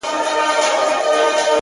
سړیتوب په ښو اوصافو حاصلېږي.